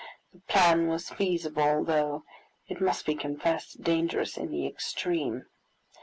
The plan was feasible, though, it must be confessed, dangerous in the extreme.